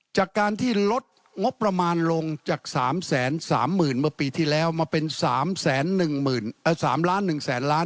จากการที่ลดงบประมาณลงจาก๓๓๐๐๐เมื่อปีที่แล้วมาเป็น๓๑๓ล้าน๑แสนล้าน